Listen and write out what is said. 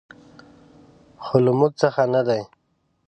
خو له موږ څخه نه دي .